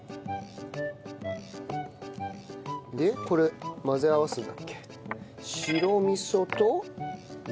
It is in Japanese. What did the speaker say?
でこれ混ぜ合わすんだっけ？